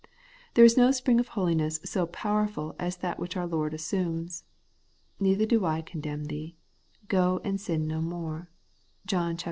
There is no spring of holiness so powerful as that which our Lord assumes :' Neither do I condemn thee : go, and sin no more ' (John viii.